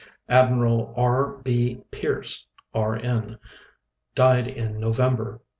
Admiral R. B. Pearse, R. N., died in November.